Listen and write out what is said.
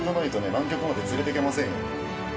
南極まで連れてけませんよ。